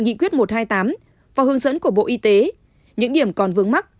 nghị quyết một trăm hai mươi tám và hướng dẫn của bộ y tế những điểm còn vướng mắt